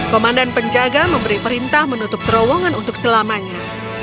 komandan penjaga memberi perintah menutup terowongan untuk selamanya